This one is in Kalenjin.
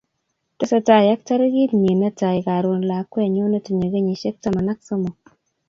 tesetai ak tarikit nyin ne tai karon lakwenyu ne tinyei kenyisiek taman ak somok